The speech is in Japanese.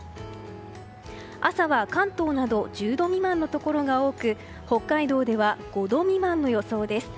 朝は、関東など１０度未満のところが多く北海道では５度未満の予想です。